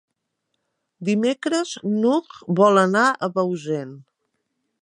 Dimecres n'Hug vol anar a Bausen.